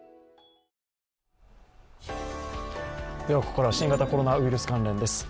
ここからは新型コロナウイルス関連です。